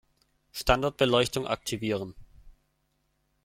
Standardbeleuchtung aktivieren